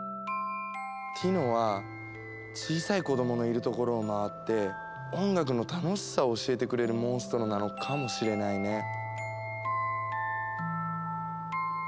ティノは小さい子どものいるところを回って音楽の楽しさを教えてくれるモンストロなのかもしれないね。